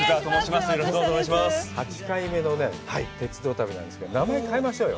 ８回目の鉄道旅なんですけど、名前、変えましょうよ。